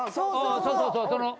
そうそうそう。